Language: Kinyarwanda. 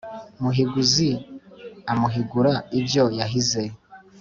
muhiguzi amuhigura ibyo yahize